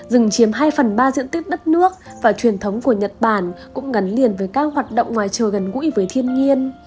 rừng chiếm hai phần ba diện tích đất nước và truyền thống của nhật bản cũng ngắn liền với các hoạt động ngoài trời gần gũi với thiên nhiên